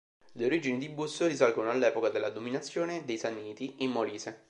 Le origini di Busso risalgono all'epoca della dominazione dei Sanniti in Molise.